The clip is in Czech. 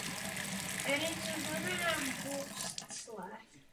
Má západní hranolovou věž.